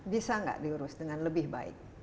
bisa nggak diurus dengan lebih baik